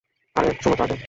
আরে শুনো তো আগে।